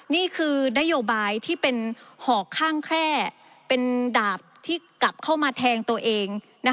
นี่คือนโยบายที่เป็นหอกข้างแคร่เป็นดาบที่กลับเข้ามาแทงตัวเอง